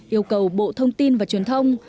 yêu cầu bộ thông tin và truyền thông